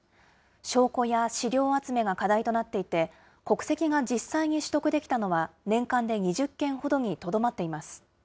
証拠や資料集めが課題となっていて、国籍が実際に取得できたのは、年間で２０件ほどにとどまっています。